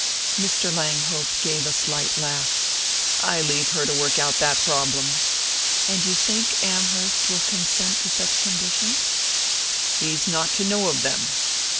Mr. Langhope gave a slight laugh. "I leave her to work out that problem." "And you think Amherst will consent to such conditions?" "He's not to know of them."